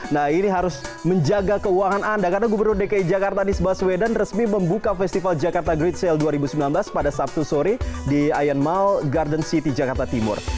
nah ini harus menjaga keuangan anda karena gubernur dki jakarta nisbah sweden resmi membuka festival jakarta great sale dua ribu sembilan belas pada sabtu sore di ayan mall garden city jakarta timur